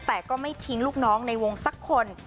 แต่ก็ไม่ทิ้งลูกน้องในวงสักคน